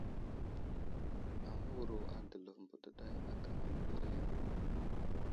Aməwuro a Dəlov mbeɗeɗay aka aməberiya.